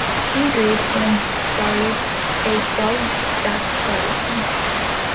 He agreed and started a twelve-step program.